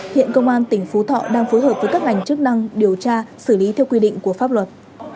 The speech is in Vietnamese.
hiện công an tỉnh phú thọ đang phối hợp với các ngành chức năng điều tra xử lý theo quy định của pháp luật